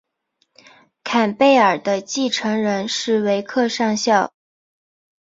坎贝尔的继承人是维克上校。